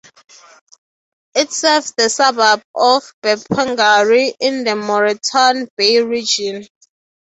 It serves the suburb of Burpengary in the Moreton Bay Region.